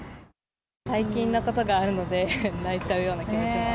最近のことがあるので、泣いちゃうような気もします。